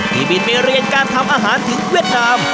บินไปเรียนการทำอาหารถึงเวียดนาม